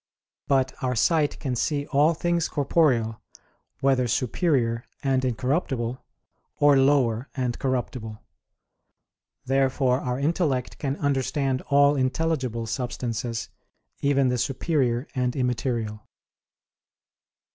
But our sight can see all things corporeal, whether superior and incorruptible; or lower and corruptible. Therefore our intellect can understand all intelligible substances, even the superior and immaterial.